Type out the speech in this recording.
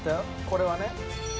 これはね」